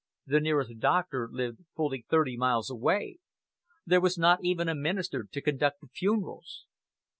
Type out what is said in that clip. The nearest doctor lived fully thirty miles away. There was not even a minister to conduct the funerals.